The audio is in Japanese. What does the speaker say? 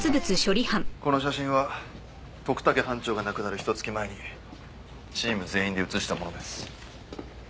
この写真は徳武班長が亡くなるひと月前にチーム全員で写したものです。